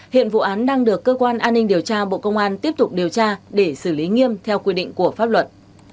hiện vụ án đang được cơ quan an ninh điều tra bộ công an tiếp tục điều tra để xử lý nghiêm theo quy định của pháp luật